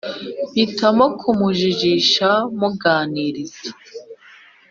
mpitamo kumujijisha muganiriza.